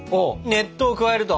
熱湯を加えると！